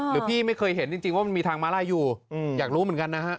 พี่ไม่เคยเห็นจริงว่ามันมีทางมาลัยอยู่อยากรู้เหมือนกันนะฮะ